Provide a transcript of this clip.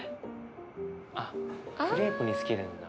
あっクレープにつけるんだ。